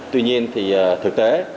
tuy nhiên thì thực tế